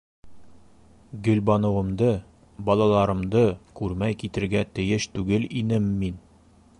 Гөлбаныуымды, балаларымды күрмәй китергә тейеш түгел инем мин!..